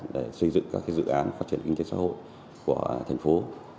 để xây dựng các dự án phát triển kinh tế xã hội của thành phố